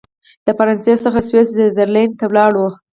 له فرانسې څخه سویس زرلینډ ته ولاړ.